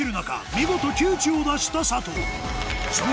見事窮地を脱した佐藤